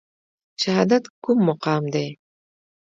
شهادت کوم مقام دی؟